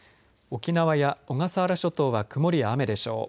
沖縄や小笠原諸島は曇りや雨でしょう。